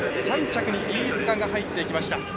３着に飯塚が入っていきました。